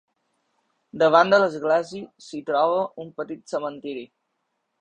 Davant de l'església s'hi troba un petit cementiri.